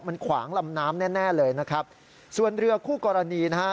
มันขวางลำน้ำแน่แน่เลยนะครับส่วนเรือคู่กรณีนะฮะ